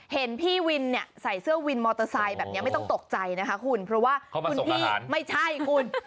เห็นพี่วินเนี่ยใส่เสื้อวินมอเตอร์ไซค์แบบนี้ไม่ต้องตกใจนะคะคุณเพราะว่าคุณพี่ไม่ใช่คุณ